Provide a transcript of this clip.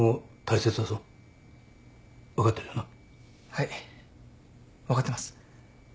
はい分かってます。